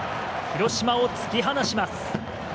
広島を突き放します。